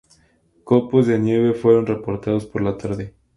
Copos de nieve fueron reportados por la tarde.